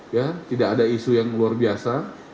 ya tidak ada isu yang luar biasa